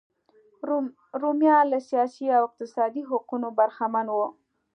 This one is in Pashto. رومیان له سیاسي او اقتصادي حقونو برخمن وو.